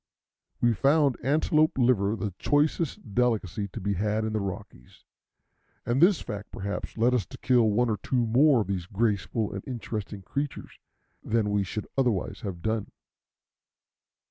We found antelope liver the choicest delicacy to be had in the Rockies, and this fact perhaps led us to kill one or two more of these graceful and interesting creatures than we should otherwise have done.